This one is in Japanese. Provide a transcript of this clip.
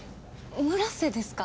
村瀬ですか？